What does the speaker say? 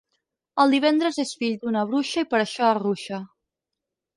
El divendres és fill d'una bruixa i per això arruixa.